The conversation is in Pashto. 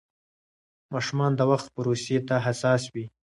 ماشومان د وخت پروسې ته حساس وي.